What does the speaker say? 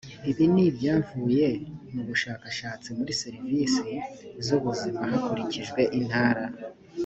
ibi ni ibyavuye mu bushakashatsi muri serivisi z ubuzima hakurikijwe intara